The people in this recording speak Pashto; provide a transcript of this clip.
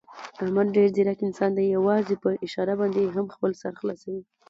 احمد ډېر ځیرک انسان دی، یووازې په اشاره باندې هم خپل سر خلاصوي.